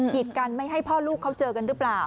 กิจกันไม่ให้พ่อลูกเขาเจอกันหรือเปล่า